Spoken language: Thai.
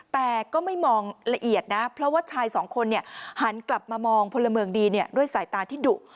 แต่ก็ไม่มองละเอียดนะเพราะว่าชายสองคนหันกลับมามองพลเมืองดีด้วยสายตาที่ดุ